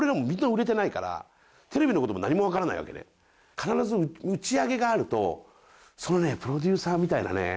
必ず打ち上げがあるとそのねプロデューサーみたいなね